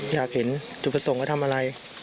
อยากเห็นจุดผสงกลับทำอะไร